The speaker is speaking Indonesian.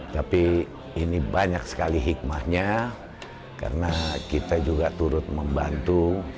tapi ini banyak sekali hikmahnya karena kita juga turut membantu